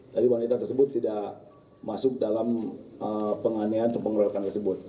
tapi wanita tersebut tidak masuk dalam penganiayaan atau pengeroyokan tersebut